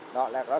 đó là điều nhất ạ